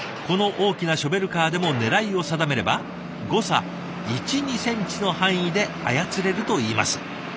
この大きなショベルカーでも狙いを定めれば誤差１２センチの範囲で操れるといいます。